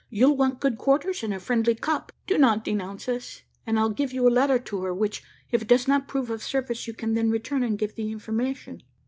You'll want good quarters and a friendly cup; do not denounce us, and I'll give you a letter to her, which, if it does not prove of service, you can then return and give the information."